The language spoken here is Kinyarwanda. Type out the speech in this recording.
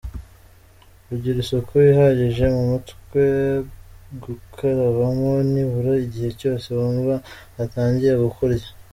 Kugira isuku ihagije mu mutwe: Gukarabamo nibura igihe cyose wumva hatangiye kukurya.